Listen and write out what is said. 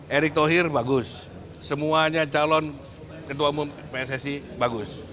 erick thohir bagus semuanya calon ketua umum pssi bagus